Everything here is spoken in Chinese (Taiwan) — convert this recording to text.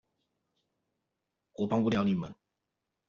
我幫不了你們